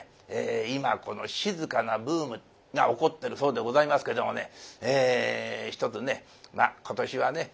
今この静かなブームが起こってるそうでございますけどもねひとつねまあ今年はね